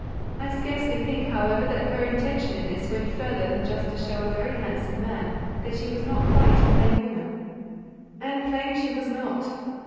I scarcely think, however, that her intention in this went further than just to show a very handsome man that she was not quite a plain woman; and plain she was not.